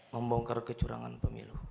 membongkar kecurangan pemilu